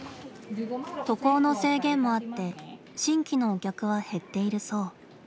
渡航の制限もあって新規のお客は減っているそう。